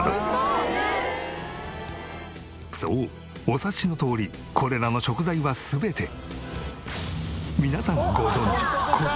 そうお察しのとおりこれらの食材は全て皆さんご存じコストコで爆買い。